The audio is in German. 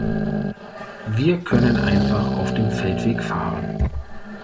Wir können einfach auf dem Feldweg fahren.